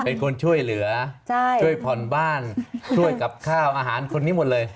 เป็นคนช่วยเหลือช่วยผ่อนบ้านช่วยกับข้าวอาหารคนนี้หมดเลย